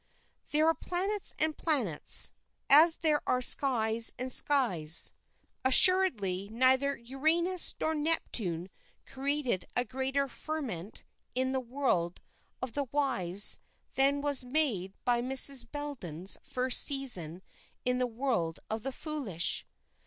There are planets and planets, as there are skies and skies. Assuredly neither Uranus nor Neptune created a greater ferment in the world of the wise than was made by Mrs. Bellenden's first season in the world of the foolish.